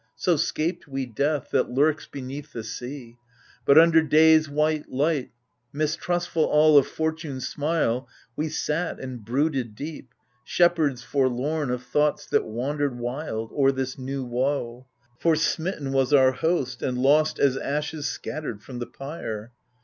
So 'scaped we death that lurks beneath the sea, But, under day's white light, mistrustful all Of fortune's smile, we sat and brooded deep, Shepherds forlorn of thoughts that wandered wild, O'er this new woe ; for smitten was our host, And lost as ashes scattered from the pyre.